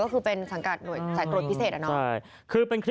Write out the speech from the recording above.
ก็คือเป็นสังกัดหน่วยจ่ายตรวจพิเศษน่ะใช่คือเป็นคลิป